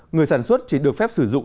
người sản xuất chỉ được phép sử dụng